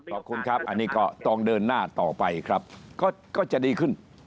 ขอบคุณครับอันนี้ก็ต้องเดินหน้าต่อไปครับก็จะดีขึ้น